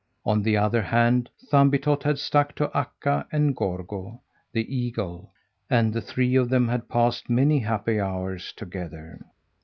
On the other hand, Thumbietot had stuck to Akka and Gorgo, the eagle, and the three of them had passed many happy hours together.